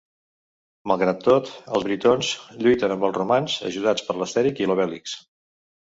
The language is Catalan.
Malgrat tot, els britons lluiten amb els romans, ajudats per l'Astèrix i l'Obèlix.